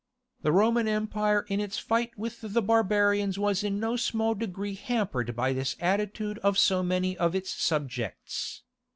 The Roman Empire in its fight with the barbarians was in no small degree hampered by this attitude of so many of its subjects.